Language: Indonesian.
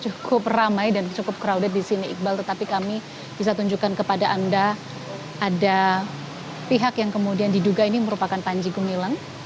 cukup ramai dan cukup crowded di sini iqbal tetapi kami bisa tunjukkan kepada anda ada pihak yang kemudian diduga ini merupakan panji gumilang